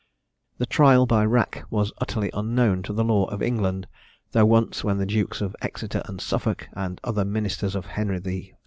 "The trial by rack was utterly unknown to the law of England, though once, when the Dukes of Exeter and Suffolk, and other ministers of Henry VI.